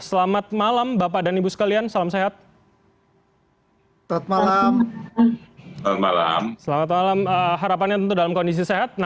selamat malam bapak dan ibu sekalian salam sehat